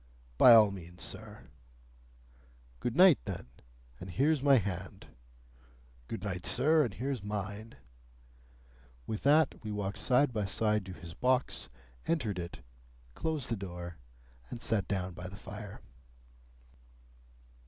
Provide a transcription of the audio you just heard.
"By all means, sir." "Good night, then, and here's my hand." "Good night, sir, and here's mine." With that we walked side by side to his box, entered it, closed the door, and sat down by the fire.